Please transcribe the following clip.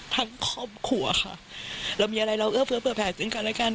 ทั้งครอบครัวค่ะเรามีอะไรเราเอื้อเฟือเปลือแผลจึงกันแล้วกัน